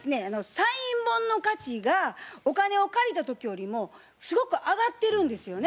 サイン本の価値がお金を借りた時よりもすごく上がってるんですよね。